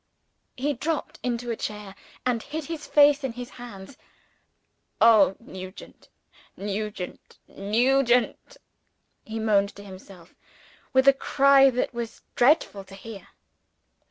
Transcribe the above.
He dropped into a chair, and hid his face in his hands. "Oh, Nugent! Nugent! Nugent!" he moaned to himself, with a cry that was dreadful to hear.